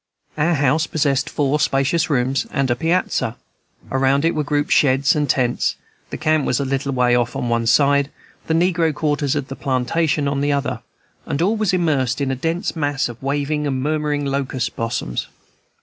Our house possessed four spacious rooms and a piazza; around it were grouped sheds and tents; the camp was a little way off on one side, the negro quarters of the plantation on the other; and all was immersed in a dense mass of waving and murmuring locust blossoms.